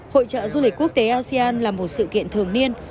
hội trợ du lịch quốc tế asean là một sự kiện thường niên